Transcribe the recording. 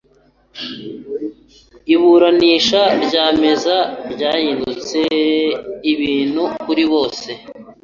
Iburanisha ryemeza ryahindutse ubuntu-kuri-bose